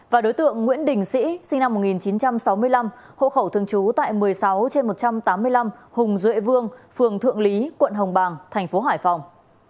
và đối tượng nguyễn đình sĩ sinh năm một nghìn chín trăm sáu mươi năm hộ khẩu thường trú tại một mươi sáu trên một trăm tám mươi năm hùng duệ vương phường thượng lý quận hồng bàng tp hải phòng